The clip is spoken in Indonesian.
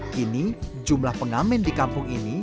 kini jumlah pengamen di kampung ini